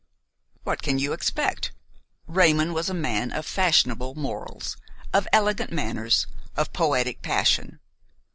What can you expect? Raymon was a man of fashionable morals, of elegant manners, of poetic passion.